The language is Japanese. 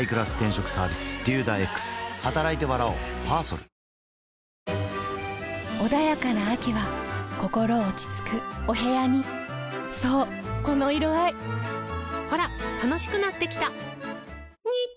俺がこの役だったのに穏やかな秋は心落ち着くお部屋にそうこの色合いほら楽しくなってきた！